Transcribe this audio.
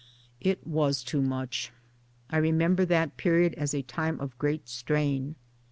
It was too much. I remember that period as a time of great strain.